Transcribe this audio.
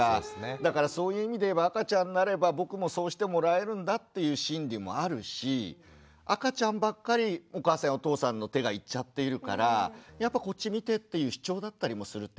だからそういう意味でいえば赤ちゃんになれば僕もそうしてもらえるんだっていう心理もあるし赤ちゃんばっかりお母さんやお父さんの手がいっちゃっているからやっぱこっち見て！っていう主張だったりもするってことですよね。